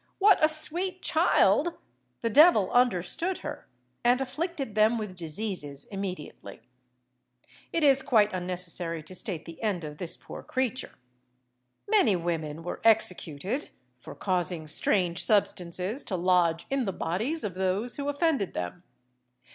"What a sweet child!" the devil understood her, and afflicted them with diseases immediately. It is quite unnecessary to state the end of this poor creature. Many women were executed for causing strange substances to lodge in the bodies of those who offended them.